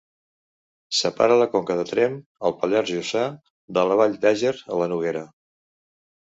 Separa la Conca de Tremp, al Pallars Jussà, de la vall d'Àger, a la Noguera.